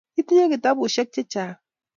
Itinye kitabushek chechang